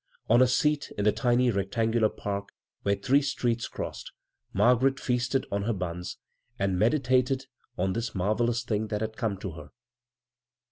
On a seat in the tiny rectangular park where three streets crossed, Margaret feasted on her buns, and meditated on this marvelous thing that had come to her.